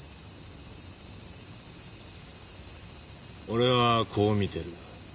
俺はこう見てる。